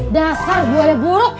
dasar buahnya buruk